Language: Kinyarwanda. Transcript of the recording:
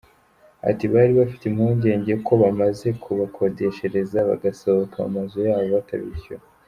Ati “Bari bafite impungenge ko bamaze kubakodeshereza bagasohoka mu mazu yabo batabishyura.